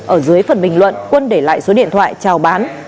ở dưới phần bình luận quân để lại số điện thoại trào bán